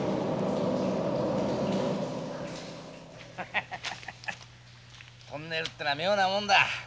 ハハハハトンネルってのは妙なもんだ。